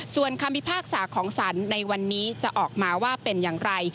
ส่วนคำพิพากษาของศาลในวันนี้จะออกมาว่าเป็นอย่างไร